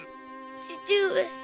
父上。